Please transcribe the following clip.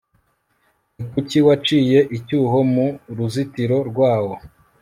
ni kuki waciye icyuho mu ruzitiro rwawo